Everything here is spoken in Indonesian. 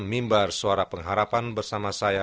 mimbar suara pengharapan bersama saya